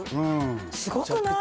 すごくない？